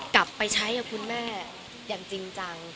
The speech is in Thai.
กลับไปใช้กับคุณแม่อย่างจริงจัง